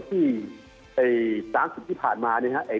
แล้วสารโลกให้ดำเนินการ